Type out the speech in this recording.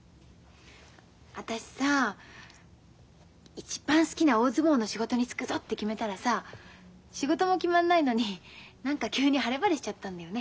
私さ一番好きな大相撲の仕事に就くぞって決めたらさ仕事も決まんないのに何か急に晴れ晴れしちゃったんだよね。